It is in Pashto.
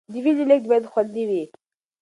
د وینې لیږد باید خوندي وي.